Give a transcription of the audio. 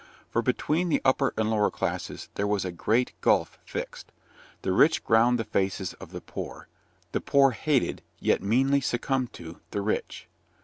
For between the upper and lower classes there was a great gulf fixed; the rich ground the faces of the poor, the poor hated, yet meanly succumbed to, the rich.